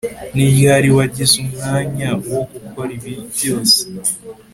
Ni ryari wagize umwanya wo gukora ibi byose